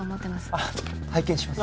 あっ拝見します